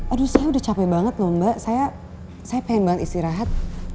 aduh saya udah capek banget loh mbak saya pengen banget istirahat